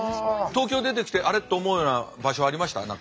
東京出てきて「あれ？」と思うような場所ありました？